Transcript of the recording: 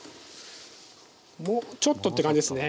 もうちょっとって感じですね。